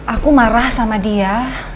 aku marah sama dia